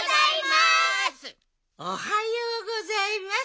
おはようございます。